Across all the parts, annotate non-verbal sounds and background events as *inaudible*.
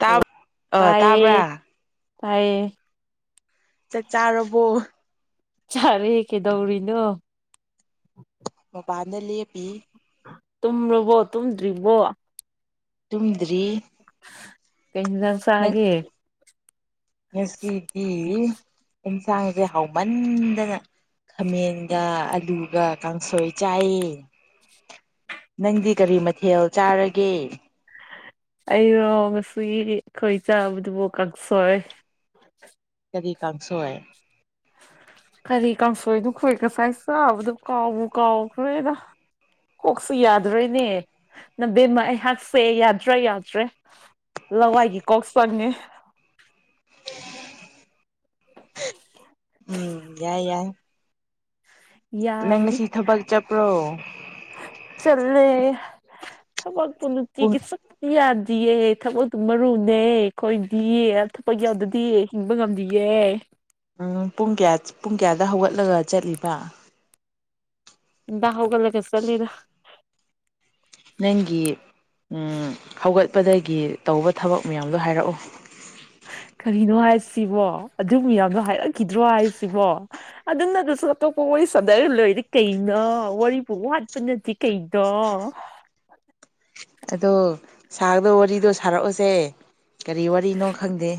ꯇꯥ ꯑ ꯇꯥꯕ꯭ꯔꯥ ꯇꯥꯏꯌꯦ ꯇꯥꯏꯌꯦ ꯆꯥꯛ ꯆꯥꯔꯕꯣ ꯆꯥꯔꯦ ꯀꯩꯗꯧꯔꯤꯅꯣ ꯃꯄꯥꯟꯗ ꯂꯦꯞꯄꯤ ꯇꯨꯝꯂꯕꯣ ꯇꯨꯝꯗ꯭ꯔꯤꯕꯣ ꯇꯨꯝꯗ꯭ꯔꯤ *unintelligible* ꯀꯩ ꯍꯤꯟꯖꯥꯡ ꯅꯪ ꯆꯥꯒꯦ ꯉꯁꯤꯗꯤ ꯑꯦꯟꯁꯥꯡꯁꯦ ꯍꯥꯎꯃꯟꯗꯅ ꯈꯥꯃꯦꯟꯒ ꯑꯂꯨꯒ ꯀꯥꯡꯁꯣꯏ ꯆꯥꯏꯌꯦ ꯅꯪꯗꯤ ꯀꯔꯤ ꯃꯊꯦꯜ ꯆꯥꯔꯒꯦ *unintelligible* *inaudible* ꯑꯩꯔꯣ ꯉꯁꯤ ꯑꯩꯈꯣꯏ ꯆꯥꯕꯗꯨꯕꯨ ꯀꯛꯁꯣꯏ ꯀꯔꯤ ꯀꯥꯡꯁꯣꯏ ꯀꯔꯤ ꯀꯥꯡꯁꯣꯏꯅꯣ ꯈꯣꯏ ꯉꯁꯥꯏ ꯆꯥꯕꯗꯣ ꯀꯥꯎꯕꯨ ꯀꯥꯎꯈ꯭ꯔꯦꯗ ꯀꯣꯛꯁꯤ ꯌꯥꯗꯔ꯭ꯦꯅꯦ ꯅꯕꯦꯝꯃ ꯑꯩꯍꯥꯛꯁꯦ ꯌꯥꯗ꯭ꯔꯦ ꯌꯥꯗ꯭ꯔꯦ ꯂꯋꯥꯏꯒꯤ ꯀꯣꯛ ꯆꯪꯉꯦ ꯎꯝ ꯌꯥꯏ ꯌꯥꯏ ꯅꯪ ꯌꯥꯕꯅꯤ ꯉꯁꯤ ꯊꯕꯛ ꯆꯠꯄ꯭ꯔꯣ ꯆꯜꯂꯦ ꯊꯕꯛ ꯄꯨꯡ ꯄꯨꯂꯨꯇꯤꯒꯤ ꯁꯛꯇꯄꯤ ꯌꯥꯗ ꯑ ꯊꯕꯛ ꯑꯗꯨꯝ ꯃꯔꯨꯅꯦ ꯑꯩꯈꯣꯏꯗꯤꯌꯦ ꯑ ꯊꯕꯛ ꯌꯥꯎꯗꯗꯤꯌꯦ ꯍꯤꯡꯕ ꯉꯝꯗꯌꯦ ꯎꯝ ꯄꯨꯡ ꯀꯌꯥ ꯄꯨꯡ ꯀꯌꯥꯗ ꯍꯧꯒꯠꯂꯒ ꯆꯠꯂꯤꯕ *unintelligible* *inaudible* ꯅꯪꯒꯤ ꯍꯧꯒꯠꯄꯗꯒꯤ ꯇꯧꯕ ꯊꯕꯛ ꯃꯌꯥꯝꯗꯣ ꯍꯥꯏꯔꯛꯑꯣ *unintelligible* *inaudible* ꯀꯔꯤꯅꯣ ꯍꯥꯏꯁꯤꯕꯣ ꯑꯗꯨ ꯃꯌꯥꯝꯗꯣ ꯍꯥꯏꯔꯛꯈꯤꯗ꯭ꯔꯣ ꯍꯥꯏꯁꯤꯕꯣ ꯑꯗꯨꯝꯅꯗꯨꯁꯨ ꯑꯇꯣꯞꯄ ꯋꯥꯔꯤ ꯁꯥꯟꯅ ꯂꯣꯏꯔꯦ ꯀꯩꯅꯣ ꯋꯥꯨ ꯋꯥꯠꯄꯅꯗꯤ ꯀꯩꯅꯣ ꯑꯗꯣ ꯁꯥꯔꯗ ꯋꯥꯔꯤꯗꯣ ꯁꯥꯔꯛꯑꯣꯁꯦ ꯀꯔꯤ ꯋꯥꯔꯤꯅꯣ ꯈꯪꯗꯦ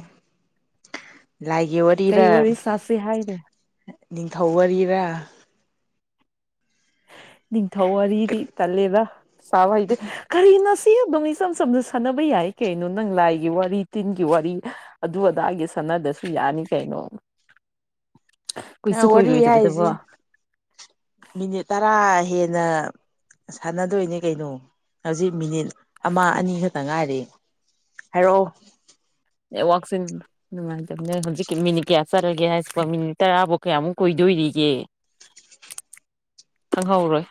ꯂꯥꯢꯒꯤ ꯀꯩ ꯋꯥꯔꯤꯔ ꯋꯥꯔꯤ ꯁꯥꯁꯤ ꯍꯥꯏꯅꯣ ꯅꯤꯡꯊꯧ ꯋꯥꯔꯤꯔꯥ ꯅꯤꯡꯊꯧ ꯋꯥꯔꯤꯗꯤ ꯇꯜꯂꯦꯕ ꯁꯕ ꯏꯗꯤ ꯀꯔꯤꯅ ꯁꯤ ꯑꯗꯨꯝ ꯏꯆꯝ ꯆꯝꯅ ꯁꯥꯟꯅꯕ ꯌꯥꯏ ꯀꯩꯅꯣ ꯅꯪ ꯂꯥꯏꯒꯤ ꯋꯥꯔꯤ ꯇꯤꯟꯒꯤ ꯋꯥꯔꯤ ꯑꯗꯨ ꯑꯗꯥꯏꯒꯤ ꯁꯥꯟꯅꯗꯁꯨ ꯌꯥꯅꯤ ꯀꯩꯅꯣ ꯑ ꯀꯨꯏꯁꯨ ꯋꯥꯔꯤꯔꯤ ꯍꯥꯏꯏꯁꯤ ꯀꯨꯏꯔꯣꯏꯗꯕꯗꯕꯣ ꯃꯤꯅꯤ ꯇ ꯀꯥ ꯍꯦꯟꯅ ꯁꯥꯟꯅꯗꯣꯏꯅꯦ ꯀꯩꯅꯣ ꯍꯧꯖꯤꯛ ꯃꯤꯅꯤꯠ ꯑꯃ ꯑꯅꯤ ꯈꯛꯇ ꯉꯥꯏꯔꯤ ꯍꯥꯏꯔꯛꯑꯣ ꯅꯦꯠꯋꯥꯛꯁꯦ ꯅꯨꯡꯉꯥꯏꯇꯕꯅꯦ ꯍꯧꯖꯤꯛꯀꯤ ꯃꯤꯅꯤꯠ ꯀꯌꯥ ꯆꯠꯂꯒꯦ ꯍꯥꯏꯁꯤꯀꯣ ꯃꯤꯅꯤꯠ ꯇꯔꯥꯐꯧ ꯀꯌꯥꯃꯨꯛ ꯀꯨꯏꯗꯣꯏꯔꯤꯒꯦ ꯈꯪꯍꯧꯔꯣꯏ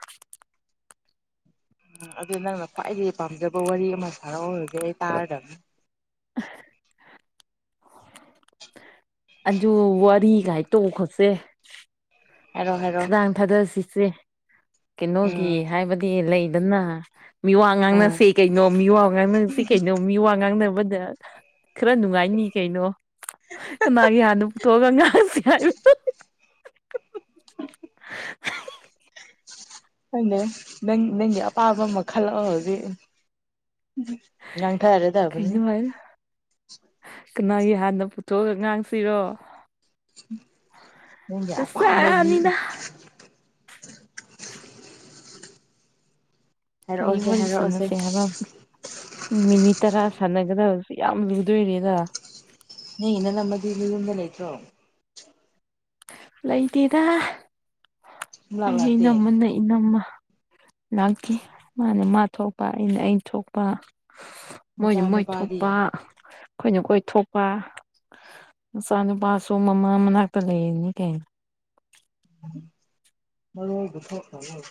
ꯎ ꯑꯗꯨ ꯅꯪꯅ ꯈ꯭ꯋꯥꯏꯗꯒꯤ ꯄꯥꯝꯖꯕ ꯋꯥꯔꯤ ꯑꯃ ꯁꯥꯔꯛꯎꯔꯒ ꯑꯗꯨ ꯇꯥꯔꯗꯕꯅꯤ ꯑꯥ ꯑꯟꯖꯨ ꯋꯥꯔꯤꯒꯥꯏ ꯇꯣꯛꯈꯣꯠꯁꯦ *unintelligible* *inaudible* ꯍꯥꯏꯔꯣ ꯍꯥꯏꯔꯣ ꯈꯗꯥꯡ ꯊꯥꯗꯁꯤ ꯁꯤ ꯀꯩꯅꯣꯒꯤ ꯎꯝ ꯍꯥꯏꯕꯗꯤ ꯂꯩ ꯅ ꯃꯤ ꯋꯥ ꯑꯥ ꯉꯥꯡꯅꯁꯦ ꯀꯩꯅꯣ ꯃꯤ ꯋꯥ ꯉꯥꯡꯅ ꯁꯤ ꯀꯩꯅꯣ ꯃꯤ ꯋꯥ ꯉꯥꯡꯅꯕ ꯃꯗ ꯈꯔ ꯅꯨꯡꯉꯥꯏꯅꯤ ꯀꯩꯅꯣ ꯀꯅꯥꯒꯤ ꯍꯥꯟꯅꯣ ꯇꯣꯒ ꯉ *unintelligible* *inaudible* ꯁꯤ ꯍꯥꯏ ꯎ ꯑꯅꯦ ꯅꯪ ꯅꯪꯒꯤ ꯑꯄꯥꯝꯕ ꯑꯃ ꯈꯜꯂꯛꯑꯣ ꯍꯧꯖꯤꯛ *unintelligible* ꯉꯥꯡꯊꯔꯗꯕꯅꯦ ꯀꯩꯅꯣ ꯍꯥꯏꯅ ꯀꯅꯥꯒꯤ ꯍꯥꯟꯅ ꯄꯨꯊꯣꯛꯑꯒ ꯉꯥꯡꯁꯤꯔꯣ ꯍꯝ ꯅꯪꯒꯤ ꯑꯄꯥꯝꯕꯒꯤ ꯗꯁꯥꯅꯤꯗ ꯀꯔꯤ ꯍꯥꯏꯔꯛꯑꯣꯁꯦ ꯋꯥꯔꯤ ꯍꯥꯏꯔꯛꯑꯣꯁꯦ ꯁꯥꯟꯅꯁꯦ ꯍꯥꯏꯕ ꯃꯤꯅꯤꯠ ꯇꯔꯥ ꯁꯥꯟꯅꯒꯗꯕꯁꯨ ꯌꯥꯝ ꯂꯨꯗꯣꯏꯔꯦꯗ ꯅꯤ ꯏꯅꯝꯃ ꯃꯗꯤ ꯅꯌꯨꯝꯗ ꯂꯩꯇ꯭ꯔꯣ ꯍ ꯂꯩꯇꯦꯗ ꯁꯨꯡꯂꯥꯛ ꯑꯩꯅ ꯂꯥꯛꯇꯦ ꯏꯅꯝꯃꯅ ꯏꯅꯝꯃ ꯂꯥꯛꯇꯦ ꯃꯥꯅ ꯃꯥ ꯊꯣꯛꯄ ꯑꯩꯅ ꯑꯩ ꯊꯣꯛꯄ ꯃꯣꯏꯅ ꯃꯣꯏ ꯃꯆꯥꯅꯨꯄꯥꯗꯤ ꯊꯣꯛꯄ ꯑꯈꯣꯏꯅ ꯈꫭꯏ ꯊꯣꯛꯄ ꯃꯆꯥꯅꯨꯄꯥꯁꯨ ꯃꯃꯥ ꯃꯅꯥꯛꯇ ꯂꯩꯔꯅꯤ ꯀꯩꯅ ꯃꯔꫭꯜꯒ ꯊꫭꯛꯇꯕ꯭ꯔꫭ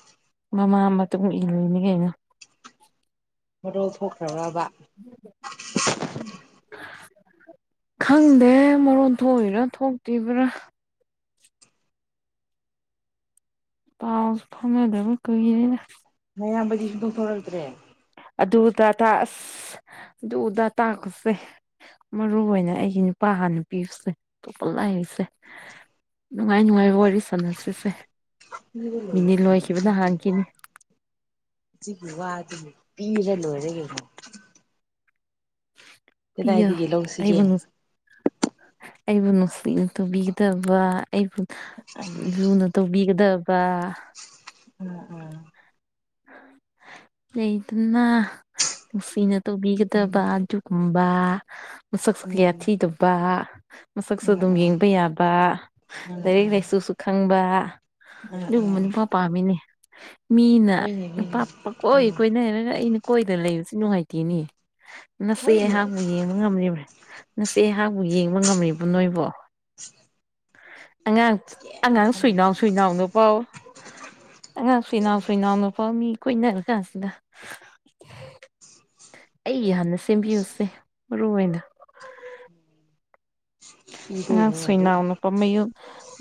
ꯃꯃꯥ ꯃꯇꯨꯡ ꯏꯜꯂꯤꯅꯤ ꯀꯩꯅꫭ ꯃꯔꯣꯜ ꯊꯣꯛꯈ꯭ꯔꯕꯥꯕ ꯈꯪꯗꯦ ꯃꯔꯣꯟ ꯊꯣꯛꯏꯔꯥ ꯊꯣꯛꯇꯔꯤꯕ꯭ꯔꯥ ꯄꯥꯎꯁꯨ ꯐꯥꯎꯅꯗꯕ ꯀꯨꯏꯔꯦꯅꯦ ꯅꯌꯥꯝꯕꯗꯤ ꯁꯨꯡꯊꫭꯛ ꯊꫭꯔꯛꯇ꯭ꯔꯦ ꯑꯗꯨꯗ ꯇ ꯑꯁ ꯑꯗꯨꯗ ꯇꯥꯛꯄꯁꯦ ꯃꯔꯨ ꯑꯣꯏꯅ ꯑꯩꯒꯤ ꯅꯨꯄꯥ ꯍꯥꯟꯅ ꯄꯤꯌꯨꯁꯦ ꯇꯣꯞꯄ ꯂꯥꯏꯔꯤꯁꯦ ꯅꯨꯡꯉꯥꯏ ꯅꯨꯡꯉꯥꯏꯕ ꯋꯥꯔꯤ ꯁꯥꯟꯅꯁꯤꯁꯦ ꯄꯤꯔ ꯂꫭꯏꯔꯦ ꯃꯤꯅꯤꯠ ꯀꯩꯅꫭꯅꯦ ꯂꯣꯏꯈꯤꯕꯅ ꯗꯨꯒꯤ ꯋꯥ ꯍꯥꯟꯈꯤꯅꯤ ꯖꯤꯒꯤ ꯋꯥꯗꯨꯕꯨ ꯄꯤꯔꯒ ꯂꯣꯏꯔꯦ ꯀꯩꯅꫭ ꯄꯤꯌꫭ ꯂꯧꯁꯤꯒꯦ ꯑꯩꯕꯨ ꯅꯨ ꯑꯩꯕꯨ ꯅꯨꯡꯁꯤꯅ ꯇꯨꯕꯤꯒꯗꯕ ꯑꯩꯕꯨ ꯍ ꯎꯝ ꯂꯨꯅ ꯇꯧꯕꯤꯒꯗꯕ ꯀ ꯎꯝ ꯎꯝ ꯍ ꯍ ꯂꯩꯇꯅ ꯅꯨꯡꯁꯤꯅ ꯇꯕꯤꯒꯗꯕꯥ ꯑꯗꯨꯒꯨꯝ ꯕꯥ ꯃꯁꯛꯁꯨ ꯀꯌꯥ ꯊꯤꯗꯕ ꯍ ꯃꯁꯛꯁꯨ ꯑꯗꯨꯝ ꯎꯝ ꯌꯦꯡꯕ ꯌꯥꯕ ꯂꯥꯏꯔꯤꯛ ꯂꯥꯏꯁꯨꯁꯨ ꯈꯪꯕ ꯎꯝ ꯎꯝ ꯑꯗꯨꯒꯨꯝꯕ ꯎꯝ ꯅꯨꯄꯥ ꯄꯥꯝꯃꯤꯅꯦ ꯃꯤꯅ ꯍꯣꯏꯅꯦ ꯍꯣꯏꯅꯦ ꯅꯨꯄꯥ ꯄꯥꯀꯣꯏ ꯎꯝ ꯀꯣꯏꯅꯔꯒ ꯑꯩꯅ ꯀꯣꯏꯗꯅ ꯂꯩꯔꯤꯖꯦ꯫ ꯅꯨꯡꯉꯥꯏꯇꯦꯅꯦ꯫ ꯅꯆꯦ ꯍꯣꯏꯅꯦ ꯑꯩꯍꯥꯛꯄꯨ ꯌꯦꯡꯕ ꯉꯝꯂꯤꯕꯔꯥ ꯅꯆꯦ ꯑꯩꯍꯥꯛꯄꯨ ꯌꯦꯡꯕ ꯉꯝꯂꯤꯕ ꯅꯣꯏꯕꯣ? ꯑꯉꯥꯡ ꯀꯩꯝ ꯑꯉꯥꯡ ꯈꯜꯂꯨꯅꯨ ꯁꯨꯏꯅꯥꯎ ꯁꯨꯏꯅꯥꯎꯅꯨ ꯄꯥꯎ ꯑꯉꯥꯡ ꯁꯨꯏꯅꯥꯎ ꯁꯨꯏꯅꯥꯎꯅꯨ ꯃꯤ ꯀꯣꯏꯅꯔ ꯀꯥꯟꯁꯤꯗ ꯑꯩ ꯍꯥꯟꯅ ꯁꯦꯝꯕꯤꯌꯨꯁꯦ ꯃꯔꯨ ꯑꯣꯏꯅ꯫ ꯑꯉꯥꯡ ꯄꯤꯗꯣꯏꯅꯦ ꯍꯧꯖꯤꯛ ꯁꯨꯣꯏꯅꯥꯎꯅ ꯄꯝꯃꯌꯨ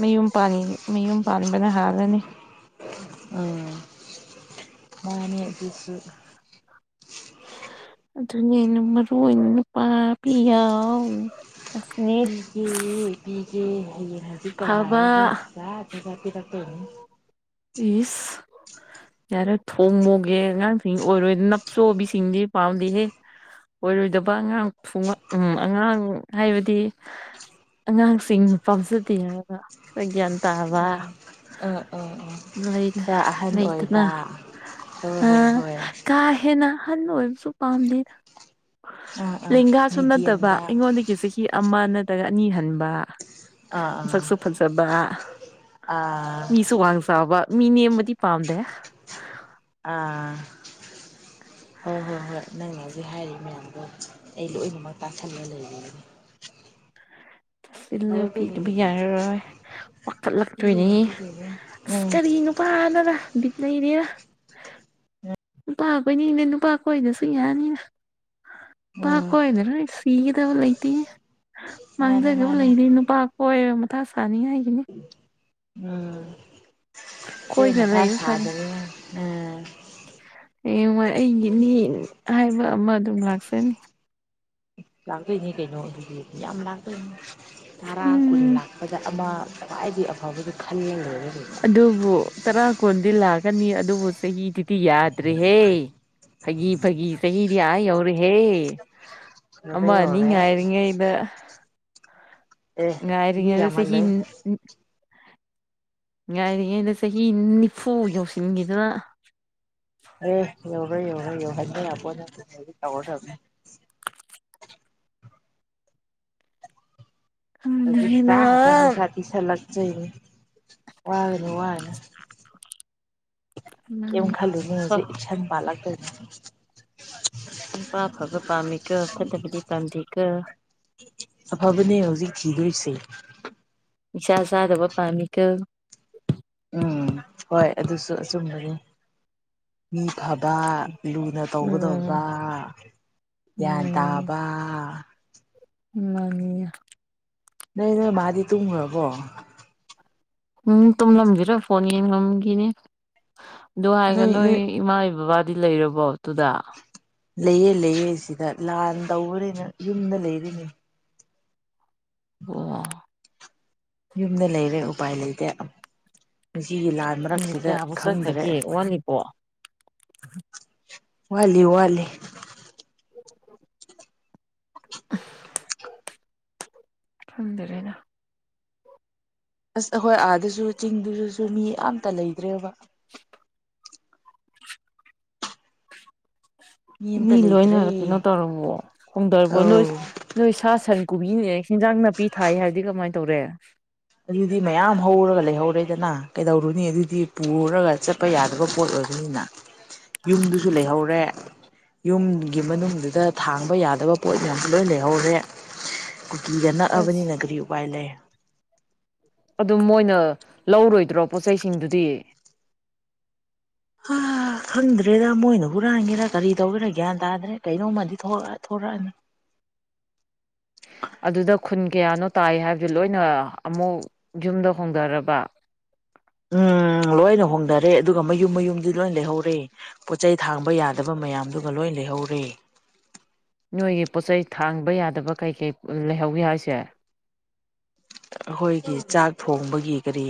ꯃꯌꯨꯝ ꯄꯟ ꯃꯌꯨꯝ ꯄꯥꯟꯕꯅ ꯍꯥꯜꯂꯅꯤ꯫ ꯎꯝ ꯃꯥꯅꯦ ꯑꯗꯨꯖꯨ ꯫ ꯑꯗꯨꯅꯦ ꯑꯩꯅ ꯃꯔꯨ ꯑꯣꯏꯅ ꯅꯨꯄꯥꯕꯤ ꯌꯥꯎ ꯄꯤꯒꯦ - ꯄꯤꯒꯦ ꯍꯌꯦꯡ ꯍꯪꯆꯤꯠ ꯇꯥ ꯉꯥꯏꯔꯣꯅꯦ ꯐꯕ *unintelligible* ꯄꯤꯔꯛꯇꯣꯏꯅꯤ꯫ ꯏꯁ ꯌꯥꯔꯦ ꯊꯣꯡꯃꯣꯒꯦ ꯑꯉꯥꯡꯁꯤꯡ ꯑꯣꯏꯔꯣꯏ ꯅꯞꯆꯣꯕꯤꯁꯤꯡꯗꯤ ꯄꯥꯝꯗꯦꯍꯦ ꯑꯣꯏꯔꯣꯏꯗꯕ ꯑꯉꯥꯡ ꯊꯉ ꯎꯝ ꯑꯉꯥꯡ ꯍꯥꯏꯕꯗꯤ ꯑꯉꯥꯡꯁꯤꯡ ꯄꯥꯝꯖꯗꯦ ꯍꯥꯏꯕ ꯒ꯭ꯌꯥꯟ ꯇꯥꯕ ꯎꯝ ꯑꯥ ꯑꯥ ꯑꯥ ꯂꯩ ꯈꯔ ꯑꯍꯟ ꯂꯩꯗꯅꯥ ꯑꯣꯏꯕ ꯍꯣꯏ ꯑ ꯍꯣꯏ ꯍꯣꯏ ꯀꯥ ꯍꯦꯟꯅꯥ ꯑꯍꯟ ꯑꯣꯏꯕꯁꯨ ꯄꯥꯝꯗꯦꯗꯥ꯫ ꯑꯥ ꯑꯥ ꯂꯦꯡꯒꯥ ꯁꯨꯝ ꯅꯠꯇꯕ ꯃꯤꯗꯤꯌꯝꯗ ꯑꯩꯉꯣꯟꯗꯒꯤ ꯆꯍꯤ ꯑꯃ ꯅꯠꯇ꯭ꯔꯒ ꯑꯅꯤ ꯍꯟꯕ꯫ ꯑꯥ ꯑꯥ ꯃꯁꯛꯁꯨ ꯐꯖꯕ, ꯑꯥ ꯃꯤꯁꯨ ꯋꯥꯡ ꯃꯤ ꯅꯦꯝꯕꯗꯤ ꯄꯥꯝꯗꯦ꯫ ꯑꯥ ꯍꯣꯏ- ꯍꯣꯏ - ꯍꯣꯏ ꯅꯪ ꯍꯧꯖꯤꯛ ꯍꯥꯏꯔꯤ ꯃꯌꯥꯝꯗꯣ ꯑꯩ ꯂꯣꯏꯅꯃꯛ ꯇꯥꯥꯁꯜꯂ ꯂꯩꯕꯤꯒꯅꯤ꯫ ꯅꯨꯄꯤꯗꯨꯕ ꯀꯩꯅꯣ ꯌꯥꯔꯔꯣꯏ ꯋꯥꯀꯠꯂꯛꯇꯣꯏꯅꯤ ꯄꯤꯗꯣꯏꯅꯦ ꯄꯤꯗꯣꯏꯅꯦ ꯑꯁ ꯎꯝ ꯀꯔꯤ ꯅꯨꯄꯥꯅꯅ ꯂꯩꯔꯦ ꯅꯨꯄꯥ ꯀꯣꯏꯅꯤꯡꯗꯦ ꯅꯨꯄꯥ ꯀꯣꯏꯗꯁꯨ ꯌꯥꯅꯤꯅ ꯅꯨꯄꯥ ꯎꯝ ꯀꯣꯏꯅ ꯂꯣꯏ ꯁꯤꯒꯗꯕ ꯂꯩꯇꯦ꯫ ꯃꯥꯅꯦ ꯃꯥꯡꯖꯅꯕ ꯃꯥꯅꯦ ꯂꯩꯔꯤ ꯅꯨꯄꯥ ꯀꯣꯏꫪ ꯇꯥꯁ *unintelligible* ꯎꯝ꯫ ꯆꯦ ꯀꯣꯏꯅ ꯃꯊꯥ ꯂꯩꯕ ꯐꯔꯦ꯫ ꯁꯥꯗꯅ ꯍꯌꯦꯡꯋꯥꯏ ꯑꯩꯒꯤꯅꯤ ꯍꯥꯏꯕ ꯑꯃ ꯂꯥꯛꯁꯅꯤ꯫ ꯂꯥꯛꯇꯣꯏꯅꯦ ꯀꯩꯅꯣ ꯑꯗꯨꯒꯤꯗꯤ ꯌꯥꯝ ꯂꯥꯛꯇꯣꯏꯅꯦ꯫ ꯇꯔꯥ ꯀꯨꯟ ꯎꯝ ꯂꯥꯛꯄꯗ ꯑꯃ ꯈ꯭ꯋꯥꯏꯗꯤ ꯑꯐꯕꯗꯨ ꯈꯜꯂ ꯂꯣꯏꯔꯦ ꯑꯗꯨꯕꯨ ꯇꯔꯥ ꯀꯨꯟꯗꯤ ꯂꯛ ꯅꯤ ꯑꯗꯨꯕꯨ ꯆꯍꯤꯗꯨꯗꯤ ꯌꯥꯗ꯭ꯔꯦꯍꯦ ꯐꯥꯒꯤ- ꯐꯥꯒꯤ ꯆꯍꯤꯗꯤ ꯑꯥ ꯌꯧꯔꯦꯍꯦ! ꯀꯩꯅꯣ ꯌꯧꯔꯦ ꯑꯃ ꯅꯤ ꯌꯧꯔꯦ ꯉꯥꯏꯔꯤꯉꯩꯗ꯫ ꯑꯦ ꯉꯥꯏꯔꯤ ꯃꯤ ꯑꯩꯗꯤ ꯆꯍꯤ ꯌꯥꯝꯍꯜꯂꯣꯏ ꯉꯥꯏꯔꯤꯉꯩꯩꯅ ꯆꯍꯤ ꯅꯤꯐꯨ ꯌꯧꯁꯤꯟꯈꯤꯗꯅ ꯑꯦ ꯌꯧꯔꯣꯏ ꯌꯧꯔꯣꯏ ꯌꯧꯍꯟꯕ ꯌꯥꯄꫭꯠ ꯅꯦꯠꯇꯦꯗ ꯍꯧꯖꯤꯛ ꯁꯥ ꯈꯪꯗ꯭ꯔꯦꯅ ꯊꯕꯛ ꯈꯔ ꯄꯤꯁꯜꯂꯛ ꯆꯩꯅꯤ ꯋꯥꯔꯅ ꯋꯥꯅ ꯀꯦꯝ ꯈꯜꯂꯨꯅꯨ ꯑꯐ ꯍꯧꯖꯤꯛ ꯑꯦꯛꯁꯟ ꯄꯥꯜꯂꯥꯛ ꯇꫭꯏ ꯎꯝ ꯅꯨꯄꯥ ꯐꯕ ꯄꯥꯝꯃꯤꯀꯣ ꯐꯠꯇꯕꯗꯤ ꯄꯥꯝꯗꯦ ꯀꫭ ꯑꯐꯕꯅꯦ ꯍꯧꯖꯤꯛ ꯊꯤꯗꯣꯏꯁꯦ ꯅꯤꯁ ꯆꯗꯕ ꯄꯥꯝꯃꯤ ꯀꫭ ꯎꯝ ꯍꯣꯏ ꯑꯗꯨꯁꯨ ꯑꯆꯨꯝꯕꯅꯤ ꯎꯝ ꯑꯐꯕ ꯂꯨꯅ ꯎꯝ ꯇꯧꯒꯗꯕ ꯒ꯭ꯌꯥꯟ ꯇꯥꯕ ꯃꯥꯉ ꯅꯣꯏ ꯅꯣꯏ ꯃꯥꯗꯤ ꯇꯨꯝꯈ꯭ꯔꯕꯣ ꯎꯝ ꯇꯨꯝꯃꯝ ꯈꯤꯔꯣꯏ ꯐꯣꯟ ꯌꯦꯡ ꯂꯝꯈꯤꯅꯤ ꯑꯗꯨ ꯍꯥꯏꯒ ꯅꯣꯏ ꯏꯃꯥ ꯕꯥꯕꯥ ꯗꯤ ꯂꯩꯔꯕꯣ ꯑꯗꯨꯨꯗ ꯂꯩꯌꯦ ꯂꯩꯌꯦ ꯁꯤꯗ ꯂꯥꯟ ꯇꯧꯕꯅꯤꯅ ꯌꯨꯝꯗ ꯂꯩꯔꯤꯅꯤ ꯑꯣ ꯌꯨꯝꯗ ꯂꯩꯔꯦ ꯎꯄꯥꯏ ꯂꯩꯇꯦ ꯃꯁꯤꯒꯤ ꯂꯥꯟ ꯎꯝ ꯃꯤꯅꯤꯠ ꯃꯔꯛꯁꯤꯗ ꯀꯌꯥꯕꫭ ꯈꯪꯗ꯭ꯔꯦ ꯆꯠꯈꯔꯒꯦ ꯋꯥꯂꯤꯕꫭ *unintelligible* ꯋꯥꯂꯤ ꯋꯥꯂꯤ ꯍꯗꯔꯦꯅ ꯑꯁ ꯑꯩꯈꯣꯏ ꯑꯥꯗꯨꯁꯨ ꯆꯤꯡꯗꯨꯗꯁꯨ ꯃꯤ ꯑꯇ ꯂꯩꯇ꯭ꯔꯦꯕ *inaudible* ꯑꯝꯇ ꯃꯤ ꯂꯣꯏꯅ ꯂꯩꯇ꯭ꯔꯦ ꯀꯩꯅꯣ ꯇꯧꯔꯝꯃꯣ ꯍꯣꯡꯗꯔꯕꯣ ꯑꯧ ꯅꯣꯏ ꯅꯣꯏ ꯁꯥ ꯁꯔꯤ ꯀꯕꯤꯨꯦ ꯍꯤꯟꯖꯥꯡ ꯅꯥꯄꯤ ꯊꯥꯏ ꯍꯥꯏꯔꯗꯤ ꯀꯃꯥꯏ ꯇꯧꯔꯦ ꯑꯗꯨꯗꯤ ꯃꯌꯥꯝ ꯍꯧꯔꯒ ꯂꯩꯍꯧꯔꯦꯗꯅ ꯀꯩꯗꯧꯔꯨꯅꯤ ꯑꯗꯨꯗꯤ ꯄꯨꯔꯒ ꯆꯠꯄ ꯌꯥꯗꯕ ꯄꯣꯠ ꯑꯣꯏꯕꯅꯤꯅ ꯌꯨꯝꯗꯨꯁꯨ ꯂꯩꯍꯧꯔꯦ ꯌꯨꯝꯒꯤ ꯃꯅꯨꯡꯗꯨꯗ ꯊꯥꯡꯕ ꯌꯥꯗꯕ ꯄꯣꯠ ꯃꯌꯥꯝꯁꯨ ꯂꯣꯏ ꯂꯩꯍꯧꯔꯦ ꯀꯨꯀꯤꯗ ꯑꯁ ꯅꯛꯑꯕꯅꯤꯅ ꯒꯥꯔꯤ ꯎꯄꯥꯏ ꯂꯩ ꯑꯗꯨꯝ ꯃꯣꯏꯅ ꯂꯧꯔꯣꯏꯗ꯭ꯔꯣ ꯄꯣꯠ ꯆꯩꯁꯤꯡꯗꯨꯗꯤ ꯈꯪꯗ꯭ꯔꯦꯗ ꯃꯣꯏꯅ ꯍꯨꯔꯥꯟꯒꯦꯔꯥ ꯀꯔꯤ ꯇꯧꯒꯦꯔꯥ ꯒ꯭ꯌꯥꯟ ꯇꯥꯗ꯭ꯔꯦ ꯀꯩꯅꯣꯝꯃꯗꯤ ꯊꯣꯔꯛꯑꯅꯤ ꯑꯗꯨꯗ ꯈꯨꯟ ꯀꯌꯥꯅꯣ ꯇꯥꯏ ꯍꯥꯏꯕꯗꯨ ꯂꯣꯏꯅ ꯑꯃꯨꯛ ꯌꯨꯝꯗ ꯍꯣꯡꯗꯔꯕ ꯎꯝ ꯂꯣꯏꯅ ꯍꯣꯡꯅꯔꯦ ꯑꯗꯨꯒ ꯃꯌꯨꯝ ꯃꯌꯨꯝꯗꯤ ꯂꯣꯏ ꯂꯩꯍꯧꯔꯦ ꯄꯣꯠ ꯆꯩꯩ ꯊꯥꯡꯕ ꯌꯥꯗꯕ ꯃꯌꯥꯝꯗꯨꯒ ꯂꯣꯏ ꯂꯩꯍꯧꯔꯦ ꯅꯣꯏꯒꯤ ꯄꯣꯠꯆꯩ ꯊꯥꯡꯕ ꯌꯥꯗꯕ ꯀꯩꯀꯩ ꯂꯩꯍꯧꯒꯦ ꯍꯥꯏꯁꯦ ꯑꯩꯈꯣꯏꯒꯤ ꯆꯥꯛ ꯊꯣꯡꯕꯒꯤ ꯀꯔꯤ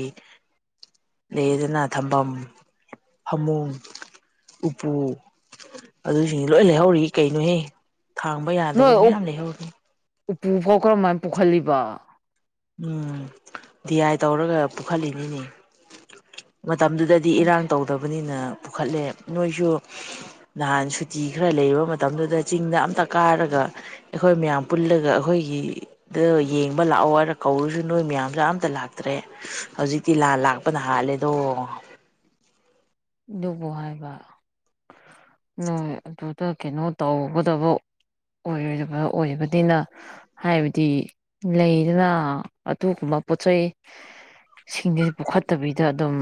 ꯂꯩꯗꯅ ꯊꯝꯐꯝ ꯐꯃꯨꯡ ꯎꯄꯨ ꯑꯗꯨꯁꯤꯡ ꯂꯣꯏ ꯂꯩꯍꯧꯔꯤ ꯀꯩꯅꯣꯍ ꯊꯥꯡꯕ ꯌꯥꯗꯕ ꯅꯣꯏ ꯃꯌꯥꯝ ꯂꯩꯍꯧꯔꯅꯤ ꯎꯄꯨ ꯐꯥꯎ ꯀꯔꯝꯃꯥꯏꯅ ꯄꯨꯈꯂꯤꯕ ꯎꯝ ꯗꯤꯌꯥꯏ ꯇꯧꯔꯒ ꯄꯨꯈꯠꯂꯤꯅꯤꯅꯦ ꯃꯇꯝꯗꯨꯗꯗꯤ ꯏꯔꯥꯡ ꯑꯁ ꯇꯧꯗꯕꯅꯤꯅ ꯄꯨꯈꯠꯂꯦ ꯅꯣꯏꯁꯨ ꯅꯍꯥꯟ ꯁꯨꯇꯤ ꯈꯔ ꯂꯩꯕ ꯃꯇꯝꯗꯨꯗ ꯆꯤꯡꯗ ꯑꯃꯠꯇ ꯀꯥꯔꯒ ꯑꯩꯈꯣꯏ ꯃꯌꯥꯝ ꯄꯨꯜꯂꯒ ꯑꯩꯈꯣꯏꯒꯤꯗ ꯌꯦꯡꯕ ꯂꯥꯛꯑꯣ ꯍꯥꯏꯔ ꯀꯧꯔꯨꯁꯨ ꯅꯣꯏ ꯃꯌꯥꯝꯁꯨ ꯑꯃꯠꯇ ꯂꯥꯛꯇ꯭ꯔꯦ ꯍꯧꯖꯤꯛꯇꯤ ꯂꯥꯟ ꯂꯥꯛꯄꯅ ꯍꯥꯜꯂꯦꯗꯣ ꯑꯗꯨꯕꯨ ꯍꯥꯏꯕ ꯅꯣꯏ ꯑꯗꯨꯗ ꯀꯩꯅꯣ ꯇꯧꯒꯗꯕ ꯑꯣꯏꯔꯕ ꯑꯣꯏꯕꯗꯤꯅ ꯍꯥꯏꯕꯗꯤ ꯂꯩꯗꯅ ꯑꯗꯨꯒꯨꯝꯕ ꯄꯣꯠꯆꯩ ꯁꯤꯡꯗꯤ ꯄꯨꯣꯛꯈꯠꯇꯕꯤꯗ ꯑꯗꯨꯝ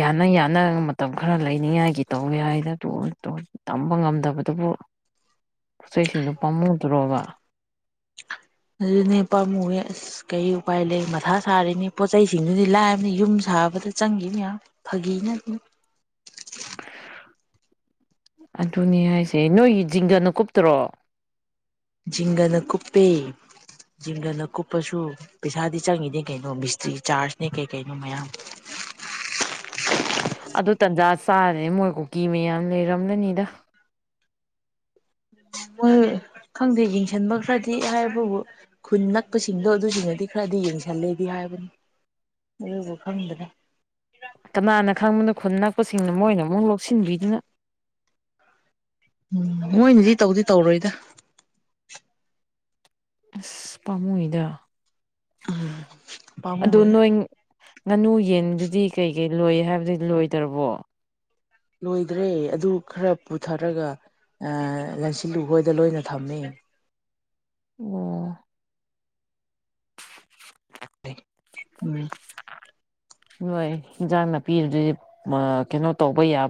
ꯌꯥꯅ ꯌꯥꯅ ꯃꯇꯝ ꯈꯔ ꯂꯩꯅꯤꯡꯉꯥꯏꯒꯤ ꯇꯧꯅꯤ ꯍꯥꯏꯗ ꯇꯣ ꯇꯧ ꯇꯝꯕ ꯉꯝꯗꯕꯗꯨꯕꯨ ꯄꯣꯠ ꯆꯩꯁꯤꯡꯗꯨ ꯄꯥꯝꯃꯨꯗ꯭ꯔꯣꯕ ꯑꯗꯨꯅꯦ ꯄꯥꯝꯃꯨꯋꯦ ꯑꯁ ꯀꯔꯤ ꯎꯄꯥꯏ ꯂꯩ ꯃꯊꯥ ꯁꯥꯔꯤꯅꯤ ꯄꯣꯠ ꯆꯩꯁꯤꯡꯗꯨꯗꯤ ꯂꯥꯏꯕꯅꯤ ꯌꯨꯝ ꯁꯥꯕꯗ ꯆꯪꯈꯤꯕ ꯃꯌꯥꯝ ꯐꯒꯤꯅ ꯅꯠꯇꯦ ꯑꯗꯨꯅꯦ ꯍꯥꯏꯁꯦ ꯅꯣꯏꯒꯤ ꯖꯤꯡꯒꯅ ꯀꯨꯞꯇ꯭ꯔꯣ ꯖꯤꯡꯒꯅ ꯀꯨꯞꯄꯦ ꯖꯤꯡꯒꯅ ꯀꯨꯞꯄꯁꯨ ꯄꯩꯁꯥꯗꯤ ꯆꯪꯉꯤꯅꯦ ꯀꯩꯅꯣ ꯃꯤꯁꯇ꯭ꯔꯤ ꯆꯥꯔꯖꯅꯦ ꯀꯩ ꯀꯩꯅꯣ ꯃꯌꯥꯝ ꯑꯗꯨ ꯇꯟꯖꯥ ꯆꯥꯔꯦ ꯃꯣꯏ ꯀꯨꯀꯤ ꯃꯌꯥꯝ ꯂꯩꯔꯝꯂꯅꯤꯗ ꯍꯣꯏ ꯈꯪꯗꯦ ꯌꯦꯡꯁꯤꯟꯕ ꯈꯔꯗꯤ ꯍꯥꯏꯕꯕꯨ ꯈꯨꯟ ꯅꯛꯄꯁꯤꯡꯗꯣ ꯑꯗꯨꯁꯤꯡꯅꯗꯤ ꯈꯔꯗꯤ ꯌꯦꯡꯁꯜꯂꯦꯗꯤ ꯍꯥꯏꯕꯅꯣ ꯑꯗꯨꯕꯨ ꯈꯪꯗꯅꯦ ꯀꯅꯥꯅ ꯈꯪꯕꯅꯣ ꯈꯨꯟ ꯅꯛꯄꯁꯤꯡꯅ ꯃꯣꯏꯅ ꯑꯃꯨꯛ ꯂꯧꯁꯤꯟꯕꯤꯗꯅ ꯎꯝ ꯃꯣꯏꯅꯗꯤ ꯇꯧꯗꯤ ꯇꯧꯔꯣꯏꯗ ꯑꯁ ꯄꯥꯝꯃꯨꯢꯗ ꯎꯝ ꯄꯥꯝꯃꯨꯢꯍ ꯅꯣꯏ ꯉꯥꯅꯨ ꯌꯦꯟꯗꯨꯗꯤ ꯀꯩ ꯀꯩ ꯂꯣꯏ ꯍꯥꯏꯕꯗꯨ ꯂꯣꯏꯗ꯭ꯔꯕꯣ ꯂꯣꯏꯗ꯭ꯔꯦ ꯑꯗꯨ ꯈꯔ ꯄꯨꯊꯔꯒ ꯑ ꯂꯟꯁꯤꯜꯂꯨꯍꯣꯏꯗ ꯂꯣꯏꯅ ꯊꯝꯃꯦ ꯑꯣ ꯎꯝ ꯍꯣꯏ ꯏꯟꯖꯥꯡ ꯅꯥꯄꯤꯗꯨꯗꯤ ꯑ ꯀꯩꯅꯣ ꯇꯧꯕ ꯌꯥꯕ